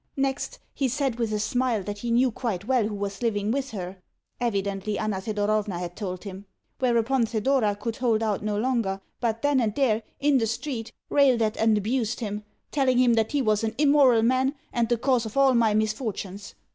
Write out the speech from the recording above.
Next, he said with a smile that he knew quite well who was living with her (evidently Anna Thedorovna had told him); whereupon Thedora could hold out no longer, but then and there, in the street, railed at and abused him telling him that he was an immoral man, and the cause of all my misfortunes.